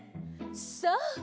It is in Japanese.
そう！